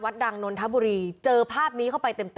นั่งเล่นแผ่น